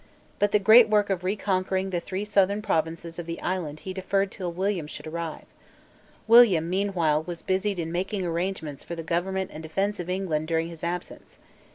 But the great work of reconquering the three southern provinces of the island he deferred till William should arrive. William meanwhile was busied in making arrangements for the government and defence of England during his absence.